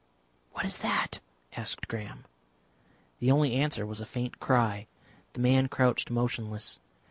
"What is that?" asked Graham. The only answer was a faint cry. The man crouched motionless.